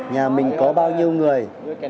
nhà mình có bao nhiêu người